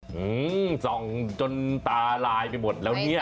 ส่องจนตาลายไปหมดแล้วเนี่ย